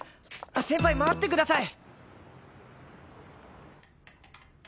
先輩待ってください！